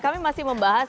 kami masih membahas